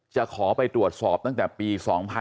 จะขอไปตรวจสอบตั้งแต่ปี๒๕๕๙